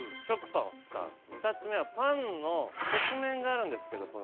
２つ目はパンの側面があるんですけどこの。